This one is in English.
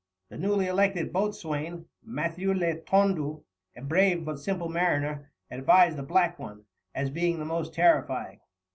The newly elected boatswain, Mathew le Tondu, a brave but simple mariner, advised a black one, as being the most terrifying.